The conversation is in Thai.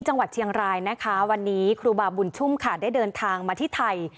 จังหวัดเชียงรายนะคะวันนี้ครูบาบุญชุ่มค่ะได้เดินทางมาที่ไทย